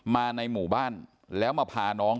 มาในหมู่บ้านแล้วมาพาน้อง